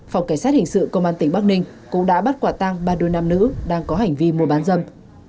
phòng cảnh sát hình sự công an tỉnh bắc ninh cũng đã bắt quả tăng ba đôi nam nữ đang có hành vi mua bán dâm